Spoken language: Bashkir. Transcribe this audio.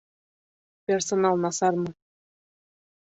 Персонал насармы?